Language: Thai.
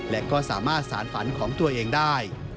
และก็สามารถสารฝันของตัวเองได้